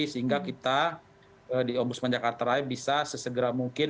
sehingga kita di ombudsman jakarta raya bisa sesegera mungkin